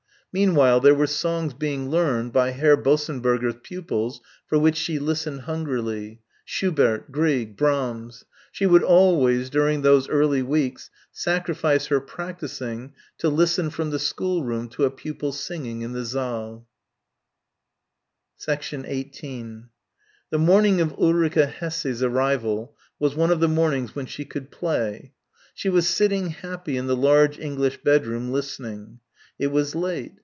Meanwhile, there were songs being learned by Herr Bossenberger's pupils for which she listened hungrily; Schubert, Grieg, Brahms. She would always, during those early weeks, sacrifice her practising to listen from the schoolroom to a pupil singing in the saal. 18 The morning of Ulrica Hesse's arrival was one of the mornings when she could "play." She was sitting, happy, in the large English bedroom, listening. It was late.